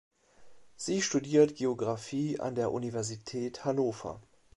Sie studiert Geographie an der Universität Hannover.